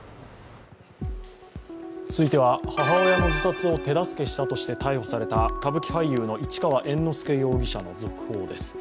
続いては、母親の自殺を手助けしたとして逮捕された歌舞伎俳優の市川猿之助容疑者の続報です。